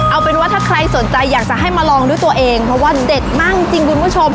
เอาเป็นว่าถ้าใครสนใจอยากจะให้มาลองด้วยตัวเองเพราะว่าเด็ดมากจริงคุณผู้ชม